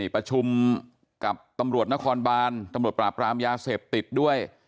ประชุมกับตำรวจนครบานตำรวจปราบรามยาเสพติดด้วย